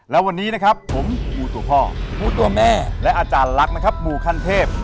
และวันนี้นะครับ